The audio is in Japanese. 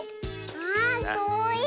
あとおい！